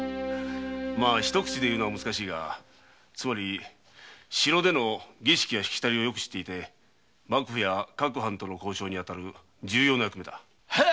一口で言うのは難しいがつまり城での儀式やシキタリをよく知っていて幕府や各藩との交渉にあたる重要な役目だ。